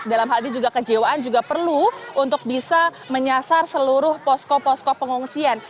dalam hal ini juga kejiwaan juga perlu untuk bisa menyasar seluruh posko posko pengungsian